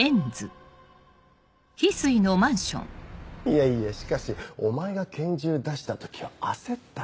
いやいやしかしお前が拳銃出した時は焦ったよ。